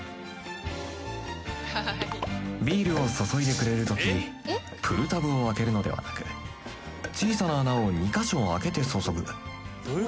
ビールを注いでくれるときプルタブを開けるのではなく小さな穴を２カ所開けて注ぐ